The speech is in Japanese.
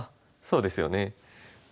そうですよね。